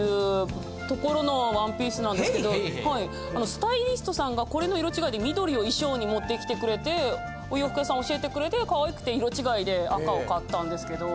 スタイリストさんがこれの色違いで緑を衣装に持ってきてくれてお洋服屋さん教えてくれてかわいくて色違いで赤を買ったんですけど。